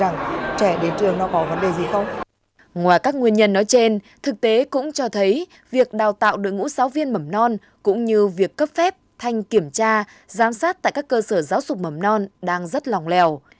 ngoài các nguyên nhân nói trên thực tế cũng cho thấy việc đào tạo đội ngũ giáo viên mầm non cũng như việc cấp phép thanh kiểm tra giám sát tại các cơ sở giáo dục mầm non đang rất lòng lèo